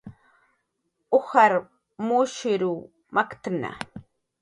"Ujar mushriw makt""a"